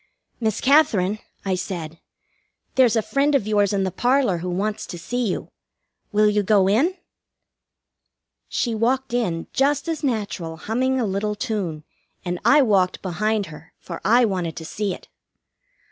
"Miss Katherine," I said, "there's a friend of yours in the parlor who wants to see you. Will you go in?" She walked in, just as natural, humming a little tune, and I walked behind her, for I wanted to see it.